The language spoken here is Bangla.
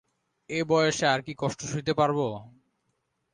এ বয়সে আর কি কষ্ট সইতে পারব?